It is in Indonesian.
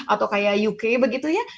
atau kayak uk begitu ya